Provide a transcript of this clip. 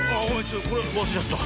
これわすれちゃった。